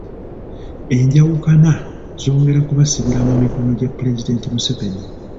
Enjawukana zongera kubasibira mu mikono gya Pulezidenti Museveni.